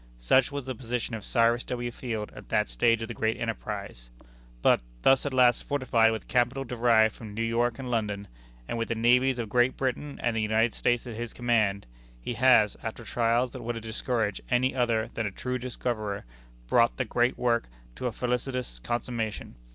Such was the position of Cyrus W. Field at that stage of the great enterprise. But, thus at last fortified with capital derived from New York and London, and with the navies of Great Britain and the United States at his command, he has, after trials that would have discouraged any other than a true discoverer, brought the great work to a felicitous consummation.